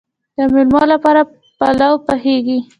د میلمنو لپاره پلو پخیږي.